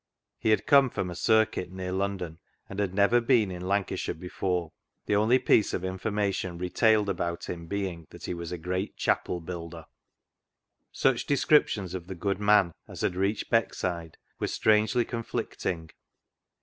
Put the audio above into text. He had come from a circuit near London, and had never been in Lancashire before, the only piece of information retailed about him being that he was a great chapel builder. Such descriptions of the good man as had reached Beckside were strangely conflicting.